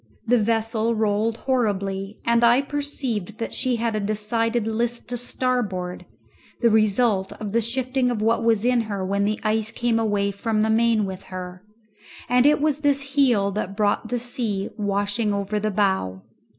The vessel rolled horribly, and I perceived that she had a decided list to starboard, the result of the shifting of what was in her when the ice came away from the main with her, and it was this heel that brought the sea washing over the bow.